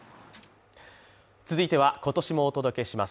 続いては、今年もお届けします